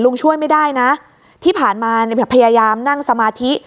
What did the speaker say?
ช่วยไม่ได้นะที่ผ่านมาเนี่ยพยายามนั่งสมาธิ